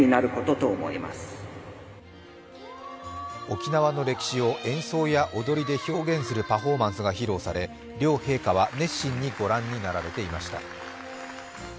沖縄の歴史を演奏や踊りで表現するパフォーマンスが披露され両陛下は熱心にご覧になられていました。